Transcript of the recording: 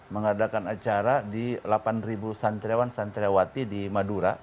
mengadakan acara di delapan santriawan santriawati di madura